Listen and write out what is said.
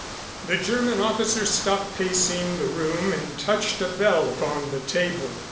The German officer stopped pacing the room and touched a bell upon the table.